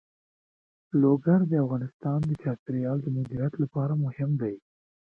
لوگر د افغانستان د چاپیریال د مدیریت لپاره مهم دي.